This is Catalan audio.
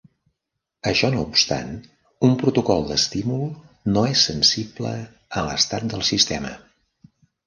Això no obstant, un protocol d'estímul no és sensible a l'estat del sistema.